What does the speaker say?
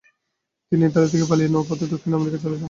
তিনি ইতালি থেকে পালিয়ে নৌপথে দক্ষিণ আমেরিকা চলে যান।